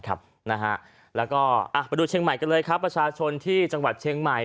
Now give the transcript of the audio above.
แล้วก็ไปดูเชียงใหม่กันเลยครับประชาชนที่จังหวัดเชียงใหม่